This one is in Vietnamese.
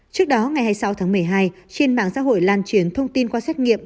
trước đó ngày hai mươi sáu tháng một mươi hai trên mạng xã hội lan truyền thông tin qua xét nghiệm